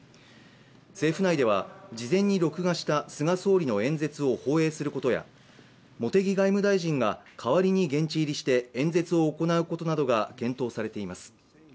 政府ないでは、事前に録画した菅総理の演説を放映することや茂木外務大臣が代わりに現地入りして演説を行うことなどが検討されています。